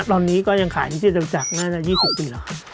ตอนนี้ก็ยังขายที่จำจักรน่าจะ๒๐ปีแล้วครับ